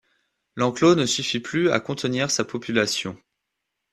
L’enclos ne suffit plus à contenir sa population.